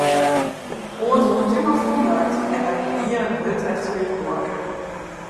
Oant dy tumor fûn waard, en er ynienen hurd efterútbuorke.